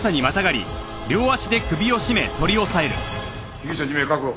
被疑者２名確保。